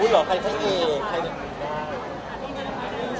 สวัสดีครับ